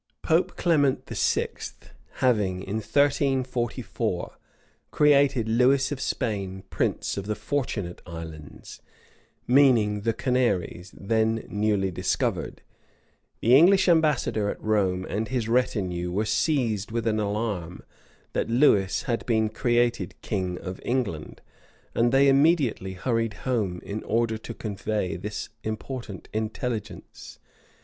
Pope Clement VI having, in 1344, created Lewis of Spain prince of the Fortunate Islands, meaning the Canaries, then newly discovered, the English ambassador at Rome and his retinue were seized with an alarm, that Lewis had been created king of England; and they immediately hurried home, in order to convey this important intelligence.